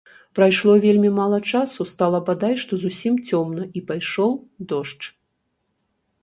Прайшло вельмі мала часу, стала бадай што зусім цёмна, і пайшоў дождж.